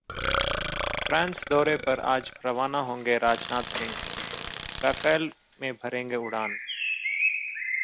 France दौरे पर आज रवाना होंगे राजनाथ सिंह, राफेल में भरेंगे उड़ान